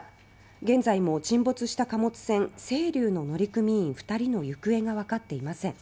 現在も沈没した貨物船「せいりゅう」の乗組員２人の行方がわかっていません。